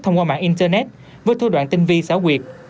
thông qua mạng internet với thư đoạn tin vi xáo quyệt